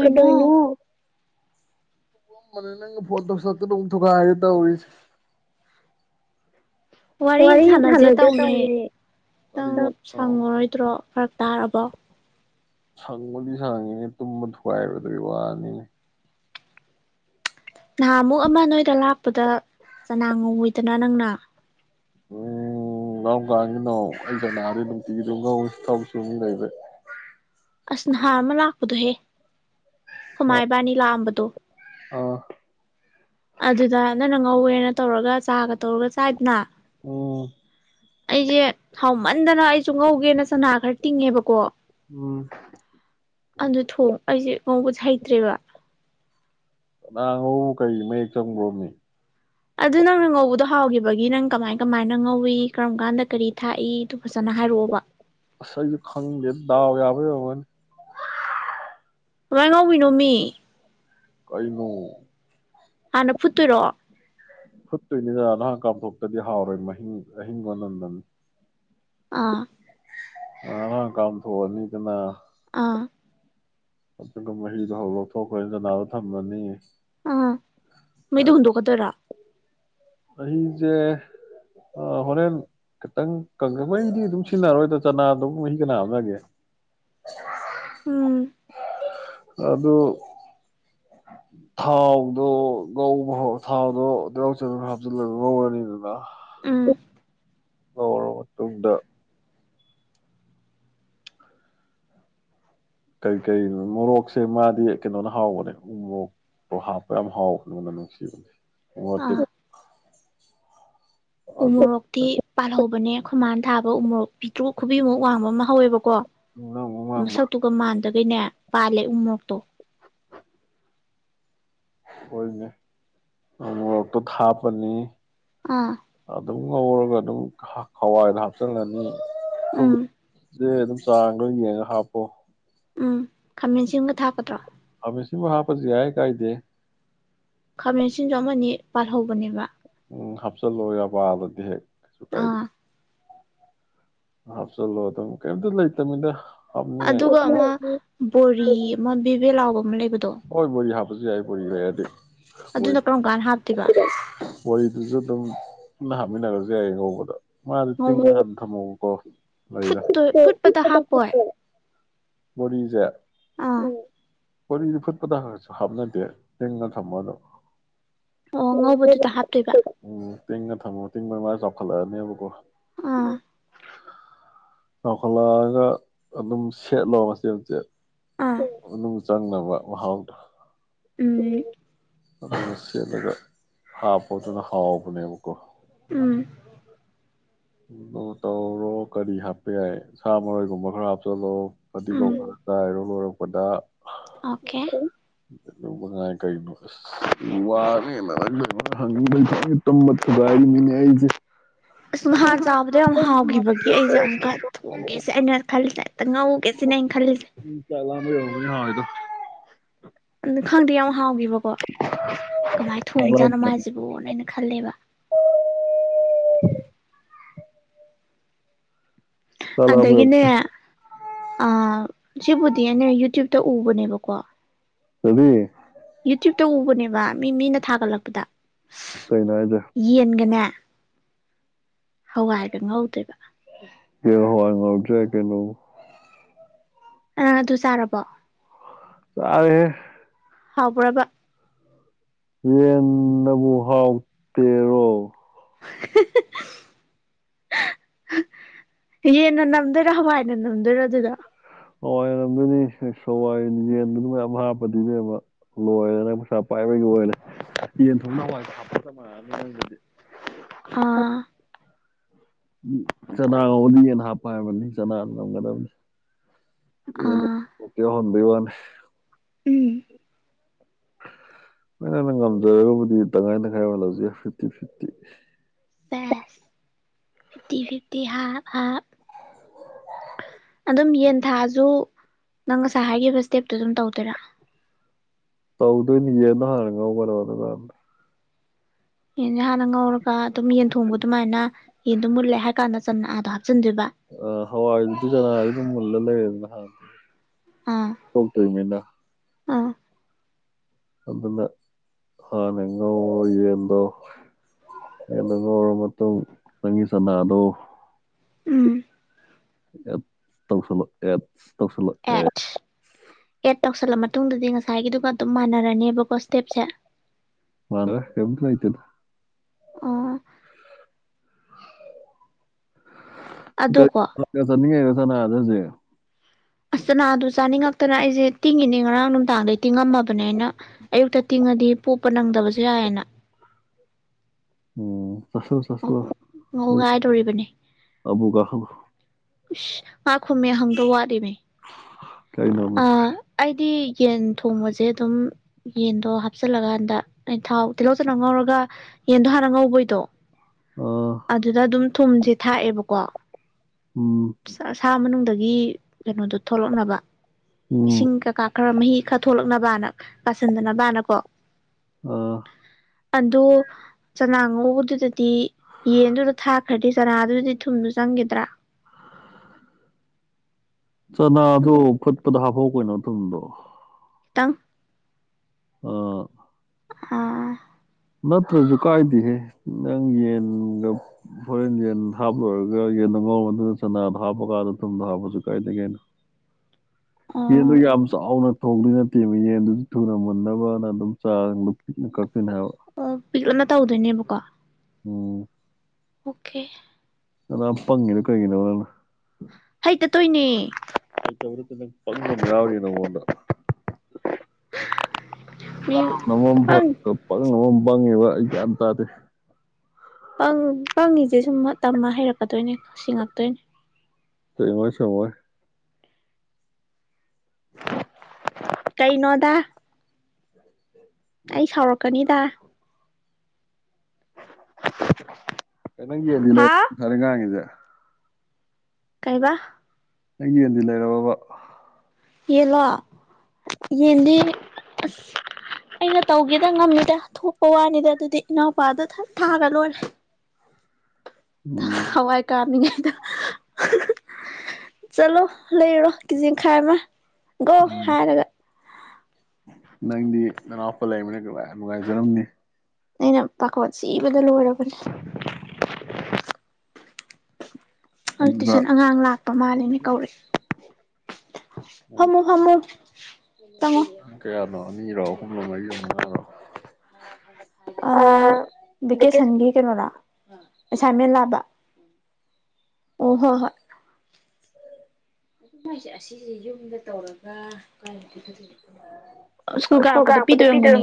ꯀꯗꫭꯏꯅꯣ ꯇꯨꯝ ꯃꯝ ꯕꯅꯦ ꯅꯪꯅ ꯐꫭꯟ ꯇꯧꯁꯟꯂꯛꯇꯅ ꯑꯃꯨꯛ ꯊꯨꯒꯥꯏꯔꯦ ꯇꯧꯔꯤꯁꯦ ꯋꯥꯔꯤ ꯑꯝ ꯁꯥꯟꯅꯁꯦ ꯇꯧꯅꯦ ꯅꯪ ꯁꯪꯉꯔꯣꯏꯗ꯭ꯔꯣ ꯐꯔꯛ ꯇꯥꯔꯕꯣ ꯁꯪꯕꯨꯗꯤ ꯁꯪꯉꯤꯅꯦ ꯇꯨꯝꯕ ꯊꯨꯒꯥꯏꯕꯗꯨꯏ ꯋꯥꯅꯤꯅꯦ ꯅꯍꯥꯟꯃꯨꯛ ꯑꯃ ꯅꯣꯏꯗ ꯂꯥꯛꯄꯗ ꯆꯅꯥ ꯉꯧꯏꯗꯅ ꯅꯪꯅ ꯎꯝ ꯀꯔꯝ ꯀꯥꯟꯒꯤꯅꯣ ꯑꯩ ꯆꯅꯥꯗꯤ ꯅꯨꯡꯇꯤꯒꯤ ꯗꯨꯝ ꯉꯧꯏ ꯊꯕꯛ ꯁꯨꯕ ꯃꯤ ꯂꯩꯕꯩ ꯑꯁ ꯅꯍꯥꯟ ꯑꯃ ꯂꯥꯛꯄꯗꯣꯍꯦ ꯈꫭꯏꯃꯥ ꯏꯕꯥꯅꯤ ꯂꯥꯛꯑꯝꯕꯗ ꯇꯣ ꯑꯥ ꯑꯗꯨꯗ ꯅꯪꯅ ꯉꯧꯋꯦꯅ ꯇꯧꯔꯒ ꯆꯥꯒ ꯇꯧꯔꯒ ꯆꯥꯏꯗꯅ ꯎꯝ ꯑꯩꯁꯦ ꯍꯥꯎꯃꯟꯗꯅ ꯑꯩꯁꯨ ꯉꯧꯒꯦꯅ ꯆꯅꯥ ꯈꯔ ꯇꯤꯡꯉꯦꯕꯀꯣ ꯎꯝ ꯑꯗꯨ ꯊꯣꯡ ꯑꯩꯁꯦ ꯉꯧꯕꯁꯦ ꯍꯩꯇ꯭ꯔꯦꯕ ꯆꯅꯥ ꯉꯧꯕꯕꯨ ꯀꯩ ꯃꯌꯦꯛ ꯆꯪꯕ꯭ꯔꯣꯃꯤ ꯑꯗꯨ ꯅꯪꯅ ꯉꯧꯕꯗꯣ ꯍꯥꯎꯘꯤꯕꯒꯤ ꯅꯪ ꯀꯃꯥꯏ ꯀꯃꯥꯏꯅ ꯉꯧꯋꯤ ꯀꯔꯝ ꯀꯥꯟꯗ ꯀꯔꯤ ꯊꯥꯛꯏ ꯑꯗꯨ ꯐꯖꯅ ꯍꯥꯏꯔꯛꯑꯣꯕ ꯑꯁ ꯑꯩꯁꯨ ꯈꯪꯗꯦꯗ ꯗꯥꯎ ꯌꯥꯕꯩ ꯑꫭꯔꯝꯒꯅꯤ ꯃꯥꯏ ꯉꯧꯏꯅꯣꯃꯤ ꯀꯩꯅꫭ ꯍꯥꯟꯅ ꯐꯨꯠꯇꯣꯏꯔꯣ ꯐꯨꯠꯇꯣꯏꯅꯤꯗ ꯅꯍꯥꯟ ꯀꯥꯝꯊꯣꯛꯇꯗꯤ ꯍꯥꯎꯔꯣꯏ ꯃꯍꯤꯡ ꯑꯍꯤꯡꯕ ꯃꯅꯝ ꯅꯝꯅꯤ ꯑꯥ ꯑ ꯀꯝ ꯊꯔꯅꯤ ꯀꯅ ꯑꯥ ꯑꯗꯨꯒ ꯃꯍꯤꯗꯣ ꯍꯧ ꯂꯧꯊꯣꯛꯈ꯭ꯔꯅꯤꯗꯅ ꯑꯗꯨꯒ ꯊꯝꯃꯅꯤ ꯑꯥ ꯃꯩꯗꯣ ꯍꯨꯟꯗꯣꯛꯀꯗꯣꯏꯔꯣ ꯃꯍꯤꯖꯦ ꯍꯣꯔꯦꯟ ꯈꯤꯇꯪ ꯀꯪꯉ ꯃꯍꯤꯗꯤ ꯑꯗꯨꯝ ꯁꯤꯟꯅꯔꯣꯏꯗꯣ ꯆꯅꯥꯗꯕꯨ ꯃꯍꯤ ꯀꯅꯥ ꯍꯥꯞꯅꯒꯦ ꯎꯝ ꯑꯗꯨ ꯊꯥꯎꯗꯣ ꯉꯧꯕ ꯍꯦꯔꯣ ꯊꯥꯎꯗꯣ ꯇꯤꯂꯧ ꯆꯅꯝ꫰ꯍꯥꯞꯆꯤꯜꯂꯒ ꯉꯧꯔꯅꯤꯗꯅ ꯎꯝ ꯉꯧꯔꯕ ꯃꯇꯨꯡꯗ ꯀꯔꯤ ꯀꯔꯤꯅꯣ ꯃꯣꯔꯣꯛꯁꯦ ꯃꯥꯗꯤ ꯀꯩꯅꯣꯅ ꯍꯥꯎꯕꯅꯦ ꯎ ꯃꯣꯔꯣꯛꯇꯣ ꯍꯥꯞꯄ ꯌꯥꯝ ꯍꯥꯎꯕꯅꯦ ꯃꯅꯝ ꯅꯨꯡꯁꯤꯕꯅꯦ ꯑꯣꯠꯇ ꯎꯃꯣꯔꯣꯛꯇꯤ ꯄꯥꯜꯍꯧꯕꯅꯦ ꯈꯣꯃꯥꯅ ꯊꯥꯕ ꯎꯃꯣꯔꯣꯛ ꯄꯤꯇ꯭ꯔꯨ ꯈꯨꯕꯤꯃꯨꯛ ꯋꯥꯡꯕ ꯑꯃ ꯍꯧꯋꯦꯕꯀꯣ ꯃꯁꯛꯇꯨꯒ ꯃꯥꯟꯗꯒꯩꯅꯦ ꯄꯂꯦ ꯎꯃꯣꯔꯣꯛꯇꯣ ꯍꯣꯏꯅꯦ ꯏꯃꯣꯔꯣꯛꯇꯣ ꯊꯥꯄꯅꯤ ꯑꯥ ꯉꯧꯔꯒ ꯑꯗꯨꯝ ꯍꯋꯥꯏꯗ ꯍꯥꯞꯆꯤꯟꯂꯅꯤ ꯍ ꯑꯗꯨꯗ ꯑꯗꯨꯝ ꯆꯥꯡꯗꯣ ꯌꯦꯡꯉ ꯍꯥꯞꯄꯣ ꯎꯝ ꯈꯥꯃꯦꯟꯁꯤꯟꯕ ꯊꯥꯛꯀꯗ꯭ꯔꯣ ꯈꯥꯃꯦꯟꯁꯤꯟꯕ ꯍꯥꯄꯁꯨ ꯌꯥꯏ ꯀꯥꯏꯗꯦ ꯈꯥꯃꯦꯟ ꯑꯁꯤꯟꯁꯨ ꯑꯃꯅꯤ ꯑ ꯄꯥꯜꯍꯧꯕꯅꯦꯕ ꯎꯝ ꯍꯥꯞꯆꯤꯜꯂꯣ ꯌꯥꯕꯜꯂꯗꯤ ꯍꯦꯛ ꯀꯩꯁꯨ ꯀꯥꯏꯗꯦ ꯍꯥꯞꯆꯜꯂꯣ ꯑꯗꯨꯝ ꯀꯩꯝꯇ ꯂꯩꯇꯃꯤꯗ ꯑꯗꯨꯒ ꯑꯃ ꯕꯣꯔꯤ ꯑꯃ ꯕꯦꯕꯦ ꯂꯥꯎꯕ ꯃꯒ ꯍꯣꯏ ꯕꯣꯔꯤ ꯍꯥꯞ ꯄꯁꯨ ꯌꯥꯏ ꯕꯣꯔꯤ ꯂꯩꯔꯗ ꯑꯗꯨꯅ ꯀꯔꯝ ꯀꯥꯟ ꯍꯥꯞꯇꯦꯕ ꯋꯥꯔꯤꯗꯨꯁꯨ ꯑꯗꯨꯝ ꯄꯨꯟꯅ ꯍꯥꯞꯃꯤꯟꯅꯔꯁꯨ ꯌꯥꯏꯌꯦ ꯅꯣꯡꯃꯗ ꯃꯥ ꯇ ꯊꯃ ꯑꯣꯐ ꯐꯨꯠꯇꯣꯏ ꯐꯨꯠꯄꯗ ꯍꯥꯞꯄꯣꯏ ꯕꯣꯔꯤꯁꯦ ꯎꯝ ꯕꯣꯔꯤꯁꯦ ꯐꯨꯠꯄꯗ ꯈꯔ ꯍꯥꯞꯅꯗꯦ ꯇꯤꯡꯉ ꯊꯝꯃꯗꯣ ꯑꯗꯨꯝ [inaudible] ꯇꯤꯡꯉ ꯊꯝꯃꯣ ꯇꯤꯡꯕ ꯃꯥ ꯆꯥꯎꯈꯠꯂꯛꯑꯅꯦꯕꯀꯣ ꯆꯥꯎꯈꯠꯂꯛꯑꯒ ꯑꯗꯨꯝ ꯁꯦꯠꯂꯣ ꯃꯆꯦꯠ ꯃꯆꯦꯠ [unintelligible] ꯆꯪꯅꯕ ꯃꯍꯥꯎꯗꯣ ꯎꯝ ꯑꯗꯨꯒ ꯁꯦꯠꯂꯒ ꯍꯥꯥꯞꯄꯣ ꯑꯗꯨꯅ ꯍꯥꯎꯕꯅꯦꯕꯀꯣ ꯎꯝ ꯇꯧꯔꯣ ꯀꯔꯤ ꯍꯥꯞꯄ ꯌꯥꯏ ꯁꯥ ꯃꯔꯣꯏꯒꯨꯝꯕ ꯈꯔ ꯍꯥꯞꯆꯜꯂꯣ ꯐꯗꯤꯒꯣꯝ ꯈꯔ ꯆꯥꯏꯔꯣ ꯂꯣꯏꯔ ꯄꯗ ꯑꯣꯀꯦ [unintelligible] ꯀꯩꯅꯣ ꯑꯁ [unintelligible] ꯑꯁ ꯅꯍꯥꯟ ꯆꯥꯕꯗꯣ ꯌꯥꯝ ꯍꯥꯎꯈꯤꯕꯒꯤ ꯑꯩꯁꯦ ꯑꯃꯨꯛꯀ ꯊꯣꯡꯒꯦꯁꯦ ꯑꯩꯅ ꯈꯜꯂꯤꯁꯦ ꯑꯦꯛꯇ ꯉꯧꯒꯦ ꯁꯤꯅ ꯑꯩꯅ ꯈꯜꯂꯤꯁꯦ ꯕꯩ ꯑꯣꯢꯔꯝꯒꯅꯤ ꯍꯥꯎꯔꯤꯗꯣ ꯀꯣ ꯀꯃꯥꯏ ꯊꯣꯡꯖꯥꯠꯅꯣ ꯃꯥꯏꯁꯤꯕꯣꯅ ꯑꯩꯅ ꯈꯜꯂꯦꯕ [inaudible] ꯑꯗꯒꯤꯅꯦ ꯑ ꯁꯤꯕꯨꯗꯤ ꯑꯩꯅ ꯌꯨꯇ꯭ꯌꯨꯕꯇ ꯎꯕꯅꯦꯕꯀꯣ ꯀꯔꯤ ꯌꯨꯇ꯭ꯌꯨꯕꯇ ꯎꯕꯅꯦꯕ ꯃꯤ ꯃꯤꯅ ꯊꯥꯒꯠꯂꯛꯄꯗ ꯌꯦꯟꯒꯅꯦ ꯍꯋꯥꯏꯒ ꯉꯧꯗꯣꯢꯕ ꯍꯋꯥꯏ ꯉꯧꯔꯖꯨ ꯌꯥꯢ ꯀꯩꯅꯣ ꯅꯪ ꯑꯗꯨ ꯆꯥꯔꯕꯣ ꯆꯥꯔꯦꯍꯦ ꯍꯥꯎꯕ꯭ꯔꯕ ꯌꯦꯟꯅꯕꯨ ꯍꯥꯎꯇꯦꯔꯣ ꯍꯍꯍ ꯍ ꯍ ꯍ ꯌꯦꯟꯅ ꯅꯝꯗꯣꯏꯔꯥ ꯍꯋꯥꯏꯅ ꯅꯝꯗꯣꯏꯔꯥ ꯑꯗꯨꯗ ꯍꯋꯥꯏꯅ ꯅꯝꯗꯨꯅꯤꯋꯥꯏ ꯌꯦꯟꯗꯨꯅ ꯃꯌꯥꯝ ꯍꯥꯞꯄꯗꯤ ꯏꯕꯦꯝꯃ ꯂꯣꯏꯔꯦꯅ ꯄꯩꯁꯥ ꯄꯥꯏꯕꯒꯤ ꯑꯣꯏꯔꯦ ꯌꯦꯟ ꯊꯣꯡꯕꯗ ꯍꯋꯥꯢ ꯍꯥꯞꯄꯒ ꯆꯞ ꯃꯥꯅꯔꯅꯤ ꯑꯥ ꯎ ꯆꯅꯥ ꯉꯧꯕꯗ ꯌꯦꯟ ꯍꯥꯞꯄ ꯍꯥꯏꯕꯅꯤ ꯆꯅꯥ ꯅꯝꯒꯗꯕꯅꯤ [unintelligible] ꯑ ꯋꯥꯅꯤ ꯍꯣꯢ ꯅꯪꯅ ꯉꯝꯖꯔꯒꯕꯨꯗꯤ ꯇꯪꯈꯥꯏ ꯇꯪꯈꯥꯏ ꯑꯣꯢꯍꯜꯂꯖꯨ ꯌꯥꯢ ꯐꯤꯐꯇꯤ ꯐꯤꯐꯇꯤ ꯐꯤꯐꯇꯤ ꯐꯤꯐꯇꯤ ꯍꯥꯞ ꯍꯥꯞ ꯑꯗꯨꯝ ꯌꯦꯟꯊꯥꯁꯨ ꯅꯪ ꯉꯁꯥꯏ ꯍꯥꯏꯈꯤꯕ ꯏꯁ꯭ꯇꯦꯞꯇꯨ ꯑꯗꯨꯝ ꯇꯧꯗꯣꯏꯔꯥ ꯇꯧꯗꯣꯢꯅꯤ ꯌꯦꯗꯣ ꯍꯥꯟꯅ ꯉꯧꯒꯗꯕ ꯑꯗꯨꯒ ꯌꯦꯟꯁꯦ ꯍꯥꯟꯅ ꯉꯧꯔꯒ ꯑꯗꯨꯝ ꯌꯦꯟ ꯊꯣꯡꯕ ꯑꯗꯨꯃꯥꯏꯅ ꯌꯦꯟꯗꯣ ꯃꯨꯜꯂꯦ ꯍꯥꯏ ꯀꯥꯟꯗ ꯆꯟꯅꯥꯗꯣ [unintelligible] [unintelligible] [inaudible] ꯑꯥ ꯑꯗꯨꯅ ꯍꯥꯟꯅ ꯉꯧꯋꯣ ꯌꯦꯟꯗꯣ [unintelligible] ꯅꯪꯒꯤ ꯆꯟꯅꯥꯗꯣ ꯎꯝ ꯑꯦꯗ ꯇꯧꯁꯂꯣ ꯑꯦꯗ ꯇꯧꯁꯤꯂꯣ ꯑꯦ ꯇꯧꯁꯜꯂ ꯃꯇꯨꯡꯗꯗꯤ ꯉꯁꯥꯏꯒꯤꯗꯨꯒ ꯑꯗꯨꯝ ꯃꯥꯟꯅꯔꯅꯦꯕꯀꯣ ꯁ꯭ꯇꯦꯞꯁꯦ [unintelligible] ꯑ [unintelligible] [inaudible] ꯑꯁ ꯆꯅꯥꯗꯨ ꯆꯥꯅꯤꯡꯉꯛꯇꯅ ꯑꯩꯁꯦ ꯇꯤꯡꯉꯤꯅꯦ ꯉꯔꯥꯡ ꯅꯨꯡꯗꯥꯡꯗꯩ ꯇꯤꯡꯉꯝꯃꯕꯅꯦ ꯑꯩꯅ ꯑꯌꯨꯛꯇ ꯇꯤꯡꯉꯗꯤ ꯄꯣꯛꯄ ꯅꯪꯗꯕꯁꯨ ꯌꯥꯏꯌꯦꯅ ꯑꯣ ꯆꯁꯜꯂꯣ ꯆꯁꯜꯂꯣ ꯑꯕꯨ ꯀꯥꯍꯜꯂꯣ [inaudible] ꯀꯩꯅꯣꯃꯦ ꯌꯦꯟ ꯊꯣꯡꯕꯁꯦ ꯑꯗꯨꯝ ꯌꯦꯟꯗꯣ ꯍꯥꯞꯆꯤꯜꯂꯀꯥꯟꯗ ꯑꯩ ꯊꯥꯎ ꯇꯤꯜꯍꯧ ꯆꯅꯝ ꯉꯧꯔꯒ ꯌꯦꯟꯗꯣ ꯍꯥꯟꯅ ꯉꯧꯕꯩꯗꯣ ꯑꯗꯨꯗ ꯑꯗꯨꯝ ꯊꯨꯝꯁꯦ ꯊꯥꯛꯑꯦꯕꯀꯣ ꯎꯝ ꯁꯥ ꯃꯅꯨꯡꯗꯒꯤ ꯀꯩꯅꯣꯗꯣ ꯊꯣꯛꯂꯛꯅꯕ ꯢꯁꯤꯡ ꯀꯩꯀꯥ ꯈꯔ ꯃꯍꯤ ꯈꯥ ꯊꯣꯛꯂꯛꯅꯕꯅ ꯀꯥꯁꯤꯟꯗꯅꯕꯅ ꯀꯣ ꯑꯥ ꯑꯗꯨ ꯆꯅꯥ ꯉꯧꯕꯗꯨꯗꯗꯤ ꯌꯦꯟꯗꯨꯗ ꯊꯥꯈ꯭ꯔꯗꯤ ꯆꯅꯥꯗꯨꯗꯗꯤ ꯊꯨꯝꯗꯨ ꯆꯪꯒꯤꯗ꯭ꯔꯥ ꯆꯅꯥ ꯑꯗꯨꯣ ꯐꯨꯠꯄꯗ ꯍꯥꯞꯐꯥꯎ ꯀꯩꯅꯣ ꯊꯨꯝꯗꯣ ꯈꯤꯇꯪ ꯑ ꯑꯥ ꯅꯠꯇ꯭ꯔꯁꯨ ꯀꯥꯏꯗꯦꯍꯦ ꯅꯪ ꯌꯦꯟꯗꯣ ꯍꯣꯔꯦꯟ ꯌꯦꯟ ꯍꯥꯞ ꯂꯣꯏꯔꯒ ꯌꯦꯟꯗꯣ ꯉꯥꯎ ꯑꯗꯨ ꯆꯅꯥꯗꯣ ꯍꯥꯞꯄꯀꯥꯟꯗ ꯊꯨꯝꯗꯨ ꯍꯥꯞꯄꯁꯨ ꯀꯥꯏꯗꯦꯅ ꯌꯦꯟꯗꯨ ꯌꯥꯝ ꯆꯥꯎꯅ ꯊꯣꯡꯗꯣꯢ ꯅꯠꯇꯦꯃꯦ ꯌꯦꯟꯗꯣ ꯊꯨꯅ ꯃꯨꯟꯅꯕꯅ ꯑꯗꯨꯝ ꯆꯥꯡꯗꯣ ꯄꯤꯛꯅ ꯀꯛꯇꯣꯢꯅꯦ ꯍꯥꯢꯕ ꯑꯣ ꯄꯤꯛꯂꯞꯅ ꯇꯧꯗꯣꯏꯅꯦꯕꯀꯣ ꯑꯝ ꯑꯣꯀꯦ ꯅꯥꯅꯥ ꯐ꯭ꯡꯒꯦ ꯀꯥꯔꯤꯖꯤꯅꯣ ꯉꯅꯥ꯫ ꯍꯥꯌꯇꯥ ꯇ꯭ꯔꯥꯏꯟ ꯇꯧꯕꯥ꯫ ꯍꯥꯌꯇꯥꯕꯥ ꯅ꯭ꯠꯇꯥꯅꯥ ꯄꯥꯉ꯭ꯒꯕꯥ ꯑꯥꯃꯥ ꯌꯋ꯭ꯔꯤꯌꯦ ꯅꯪꯟꯗꯥ꯫ [inaudible] ꯄꯥꯉ꯭ꯒꯦ ꯕꯥ ꯑꯩ ꯒꯏꯟ ꯇꯥꯗꯦ꯫ ꯄꯥꯡ ꯄꯥꯉ꯭ꯒꯦ ꯁꯦ ꯁꯨꯝ ꯇꯄꯅꯥ ꯍꯦꯏꯔꯀꯇꯣꯏꯟ ꯁꯤꯡꯛꯇꯣꯏꯟ꯫ ꯁꯤꯉ꯭ꯒꯣꯏ ꯁꯤꯉ꯭ꯒꯣꯏ꯫ ꯀꯦꯏꯅꯣ ꯗꯥ꯫ ꯑꯩ ꯁ꯭ꯕꯔꯀꯅꯤ ꯗꯥ꯫ [inaudible] ꯍ ꯅꯪꯒꯤꯗꯤ ꯂꯩꯔ ꯁꯥꯔꯦ ꯉꯥꯡꯒꯤꯁꯦ ꯀꯦꯏꯕꯥ꯫ ng ꯌꯦꯟ ꯗꯤ ꯂꯦꯏꯔꯥꯕꯥ ꯕꯥ꯫ ꯌꯦꯟꯂꯣ ꯌꯦꯟꯗꯤ ꯑꯁ ꯑꯩꯅ ꯇꯧꯒꯦꯗ ꯉꯝꯃꯤꯗ ꯊꯣꯛꯄ ꯋꯥꯅꯤꯗ ꯑꯗꯨꯗꯤ ꯏꯅꯥꯎꯄꯥꯗ ꯊꯥꯔ ꯂꯣꯏꯔꯦ ꯍꯋꯥꯏ ꯀꯥꯅꯤꯉꯥꯏꯗ ꯆꯠꯂꯣ ꯂꯩꯔꯣ ꯀꯦꯖꯤ ꯌꯥꯈꯥꯏ ꯑꯃ ꯍꯥꯌꯔꯒꯥ ꯆꯠꯂꯨ꯫ ꯉ ꯗꯤ ꯅꯥ ꯅꯥ ꯅꯥꯑꯣꯅꯨꯄꯥ ꯂꯦꯏꯕꯥꯅꯤꯅꯥ ꯅꯨꯡꯗꯥꯏ ꯅꯨꯡꯖꯥꯔꯃꯅꯤ꯫ ꯑꯩꯅꯥ ꯄꯥꯈꯣꯟ ꯁꯤ ꯕꯥꯗꯥ ꯂꯣꯏꯔꯕꯅꯦ꯫ ꯏꯏ ꯇꯤꯎꯁꯟ ꯑꯉ꯭ꯒꯪ ꯂꯥꯛ꯫ ꯄꯃꯥꯅꯤꯅꯦ ꯀꯧꯔꯛꯦ ꯐꯍꯃꯣ ꯐꯍꯃꯣ꯫ [unintelligible] ꯑꯉ꯭ꯒꯪ ꯀꯥꯌꯥ ꯅꯣ ꯑꯅꯤ ꯔꯣ ꯑꯍꯨꯝ ꯔꯣ ꯃꯥꯔꯤ ꯔꯣ ꯃꯥꯉ꯭ꯒꯥ ꯔꯣ꯫ ꯑꯥ ꯁꯨꯇꯤ ꯀꯦꯏꯅꯣ ꯔꯥ꯫ ꯑꯦꯁꯥꯏꯅꯃꯦꯟꯇ ꯔꯥ ꯕꯥ ꯑꯣ ꯍꯣꯏ ꯍꯣꯏ꯫ ꯑꯗꯨꯃꯥꯏꯁꯦ ꯑꯁꯤꯁꯦ ꯌꯨꯝꯗ ꯇꯧꯔꯒ ꯑꯥ ꯁ꯭ꯀꯨꯜ ꯀꯔꯀꯄꯗꯥ ꯄꯤꯗꯣ ꯑꯣꯏꯔꯃꯒ꯭ꯅꯤ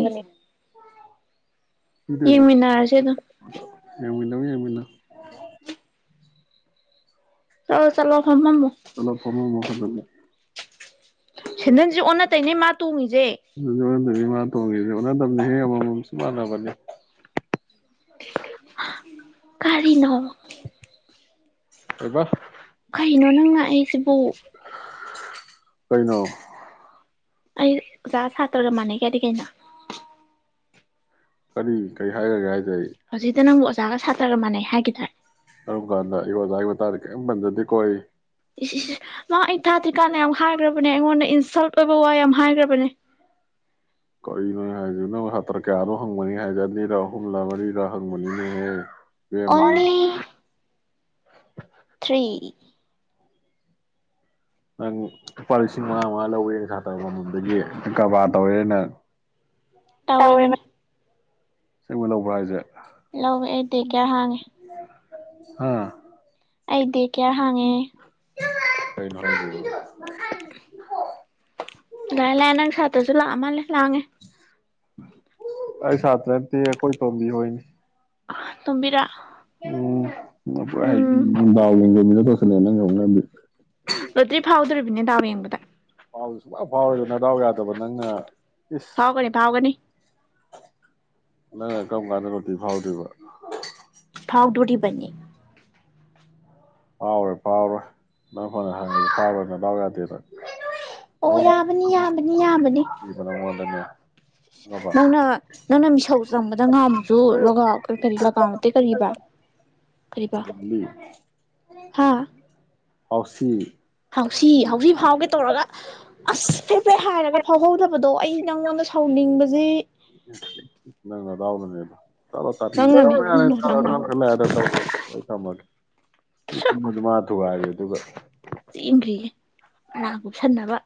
ꯌꯦꯡꯃꯤꯅꯥꯔꯁꯦ ꯑꯗꯨ꯫ ꯅꯃꯤ ꯃꯃꯤꯥ ꯑꯥ ꯆꯇꯂꯣ ꯐꯍꯝ ꯃꯣ꯫ ꯁꯦꯟꯗꯜ ꯁꯦ ꯑꯣꯏꯅꯥ ꯇꯦꯏ ꯅꯦ ꯃꯥ ꯇꯣꯡꯒꯦ ꯁꯦ꯫ ꯑꯗꯨꯗꯗꯤ ꯃꯥ ꯇꯣꯡꯉꯁꯦ ꯑꯣꯟꯅꯠꯇꯕꯗ ꯍꯦꯛ ꯑꯃꯃꯝꯁꯨ ꯃꯥꯟꯅꯕꯅꯦ ꯀꯔꯤꯅꯣ꯫ ꯀꯦꯏꯕꯥ꯫ ꯀꯔꯤꯅꯣ ꯉꯅꯥ ꯑꯩꯁꯦ ꯕꯨ꯫ ꯀꯔꯤꯅꯣ꯫ ꯑꯩ ꯑꯣꯖꯥ ꯁꯠꯔ ꯒꯥ ꯃꯅꯦꯏ ꯒꯥ ꯗꯤ ꯀꯦꯏꯅꯣ꯫ ꯀꯥꯔꯤ ꯀꯦꯏ ꯍꯥꯏꯒ꯭ꯔꯒꯦ ꯍꯥꯌ꯫ ꯍꯧꯖꯤꯛꯇ ꯅꯪꯕꯨ ꯑꯁ ꯑꯣꯖꯥꯒ ꯁꯥꯇ꯭ꯔꯒ ꯃꯅꯩ ꯍꯥꯏꯒꯤꯗꯥꯏ ꯀꯔꯝ ꯀꯥꯟꯗ ꯑꯩꯉꯣꯟꯗ ꯑꯣꯖꯥ ꯃꯇꯥꯡꯗ ꯀꯔꯤꯝ ꯄꯟꯖꯗꯦꯀꯣ ꯑꯩ ꯏꯁ ꯏꯁ ꯃꯥ ꯑꯩ ꯊꯥꯗ꯭ꯔꯤ ꯀꯥꯟꯗ ꯌꯥꯝ ꯍꯥꯏꯈ꯭ꯔꯕꯅꯦ ꯑꯩꯉꯣꯟꯗ ꯏꯟꯁꯜ ꯑꯣꯏꯕ ꯋꯥ ꯌꯥꯝ ꯍꯥꯏꯈ꯭ꯔꯕꯅꯦ ꯀꯔꯤꯅꯣ ꯑꯩ ꯍꯥꯏꯗꯤ ꯅꯪ ꯁꯥꯇ꯭ꯔ ꯀꯌꯥꯅꯣ ꯍꯪꯕꯅꯤ ꯑꯩ ꯍꯥꯏꯗꯤ ꯑꯅꯤꯔ ꯑꯍꯨꯝꯂꯥ ꯃꯔꯤꯔꯥ ꯍꯪꯕꯅꯤꯅꯦꯍꯦ ꯏꯕꯦꯝꯃ ꯅꯪ ꯂꯨꯄꯥ ꯂꯤꯁꯤꯡ ꯃꯉꯥ ꯃꯉꯥ ꯂꯧꯋꯦꯅ ꯁꯥꯇ꯭ꯔ ꯑꯃꯃꯝꯗꯒꯤ ꯅꯪ ꯀꯔꯕꯥꯔ ꯇꯧꯔꯦ ꯅꯪ ꯇꯧꯔꯤꯕꯅꯤ ꯑꯁꯦꯡꯕ ꯂꯧꯕ꯭ꯔꯥ ꯍꯥꯏꯁꯦ ꯂꯧꯋꯦ ꯑꯩꯗꯤ ꯗꯦ ꯀꯌꯥ ꯍꯥꯡꯉꯦ ꯍꯥꯥ ꯑꯩ ꯗꯦꯀꯌꯥ ꯍꯥꯡꯉꯦ ꯀꯩꯅꯣ ꯍꯥꯏꯁꯤꯕꯨ ꯂꯥꯏ ꯂꯥꯏ ꯅꯪ ꯁꯇꯔꯁꯨ ꯂꯥꯛꯑ ꯃꯥꯂꯦ ꯂꯥꯡꯉꯦ ꯑꯩ ꯁꯥꯇ꯭ꯔ ꯅꯠꯇꯦ ꯑꯩꯈꯣꯏ ꯇꯣꯝꯕꯤ ꯍꯣꯏꯅꯤ ꯑ ꯇꯣꯝꯕꯤꯔꯥ ꯎꯝ ꯄꯪꯍꯥꯏ ꯍꯥꯏꯔꯒ ꯗꯥꯎ ꯌꯦꯡꯖꯟꯕꯤ ꯅꯪꯒꯤ ꯍꯧꯅꯕꯤ ꯔꯣꯇ꯭ꯔꯤ ꯐꯥꯎꯗꯣꯔꯤꯕꯅꯦ ꯗꯥꯎ ꯌꯦꯡꯕꯗ ꯐꯥꯎꯗꯤ ꯁꯨꯛꯐꯥꯎꯔꯣꯏ ꯅꯥꯗꯥꯎ ꯌꯥꯗꯕ ꯅꯪꯅ ꯐꯥꯎꯒꯅꯤ ꯐꯥꯎꯒꯅꯤ ꯅꯪꯅ ꯀꯔꯝ ꯀꯥꯟꯗ ꯔꯣꯇꯤ ꯐꯥꯎꯗ꯭ꯣꯏꯔꯤꯕ ꯐꯥꯎꯗꯣꯔꯤꯕꯅꯤ ꯐꯥꯎꯔꯣꯏ ꯐꯥꯎꯔꯣꯏ ꯅꯪ ꯍꯟꯅꯒꯤ ꯐꯥꯎꯔꯣꯏ ꯅꯗꯥꯎ ꯌꯥꯗꯦꯅꯪ ꯑꯣ ꯌꯥꯝꯕꯅꯤ ꯌꯥꯝꯕꯅꯤ ꯌꯥꯝꯕꯅꯤ ꯅꯪꯅ ꯅꯪꯅ ꯃꯤꯁꯧ ꯆꯪꯕꯗ ꯉꯥꯃꯨꯁꯨ ꯂꯒꯥꯎ ꯀꯔꯤ ꯂꯒꯥꯎ ꯅꯠꯇꯦ ꯀꯔꯤꯕ꯭ꯔꯥ [unintelligible] ꯍꯧꯎꯁꯤ ꯍꯥꯎꯁꯤ ꯍꯥꯎꯁꯤ ꯐꯥꯎꯒꯦ ꯇꯧꯔꯒ ꯑꯁ ꯐꯦ ꯐꯦ ꯍꯥꯏꯔꯒ ꯐꯥꯎꯍꯧꯗꯕꯗꯣ ꯑꯩ ꯅꯪꯉꯣꯟꯗ ꯁꯥꯎꯅꯤꯡꯕꯁꯤ ꯪꯅꯪ ꯅꯗꯥꯎꯅꯅꯤ ꯑꯗꯨ [inaudible] ꯑꯗꯨꯒ ꯆꯦꯟꯈ꯭ꯔꯤꯌꯦ ꯉꯔꯥꯡ ꯀꯨꯞꯁꯟꯅꯕ